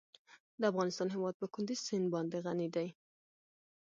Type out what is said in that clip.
د افغانستان هیواد په کندز سیند باندې غني دی.